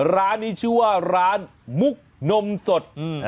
ร้านนี้ชื่อว่าร้านมุกนมสด